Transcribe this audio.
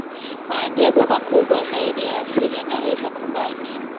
maajabu makubwa zaidi ya asili yanaweza kubaki